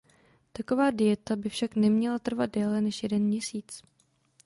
Taková dieta by však neměla trvat déle než jeden měsíc.